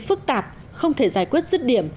phức tạp không thể giải quyết rứt điểm